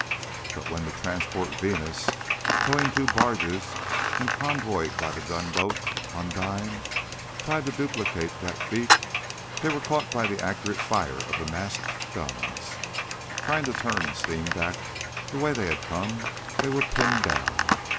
But when the transport Venus, towing two barges and convoyed by the gunboat Undine, tried to duplicate that feat they were caught by the accurate fire of the masked guns. Trying to turn and steam back the way they had come, they were pinned down.